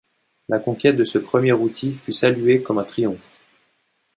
La conquête de ce premier outil fut saluée comme un triomphe.